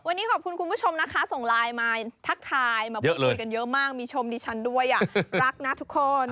วันนี้ขอบคุณคุณผู้ชมนะคะส่งไลน์มาทักทายมาพูดคุยกันเยอะมากมีชมดิฉันด้วยรักนะทุกคน